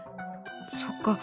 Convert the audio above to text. そっか。